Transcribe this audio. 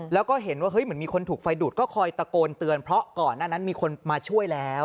แล้วก็เห็นว่าเฮ้ยเหมือนมีคนถูกไฟดูดก็คอยตะโกนเตือนเพราะก่อนหน้านั้นมีคนมาช่วยแล้ว